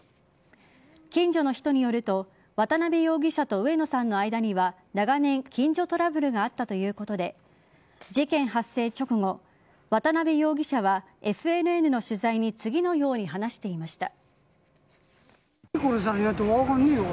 近所の人によると渡部容疑者と上野さんの間には長年、近所トラブルがあったということで事件発生直後、渡部容疑者はＦＮＮの取材に次のように話していました。